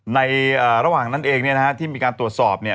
ในระหว่างนั้นเองที่มีการตรวจสอบเนี่ย